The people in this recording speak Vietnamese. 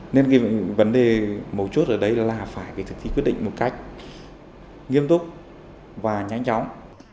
nên cái vấn đề mấu chốt ở đây là phải thực thi quyết định một cách nghiêm túc và nhanh chóng